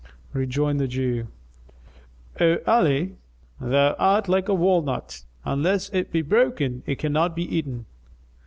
Rejoined the Jew, "O Ali, thou art like a walnut; unless it be broken it cannot be eaten."